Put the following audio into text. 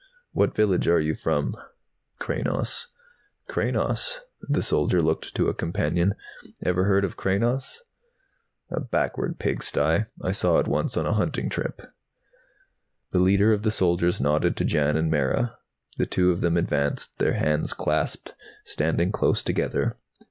"What village are you from?" "Kranos." "Kranos?" The soldier looked to a companion. "Ever heard of Kranos?" "A backward pig sty. I saw it once on a hunting trip." The leader of the soldiers nodded to Jan and Mara. The two of them advanced, their hands clasped, standing close together.